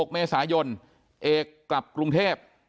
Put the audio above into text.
๖เมษายนเอกกลับกรุงเทพ